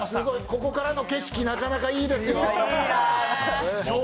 ここからの景色、なかなかいいですよ。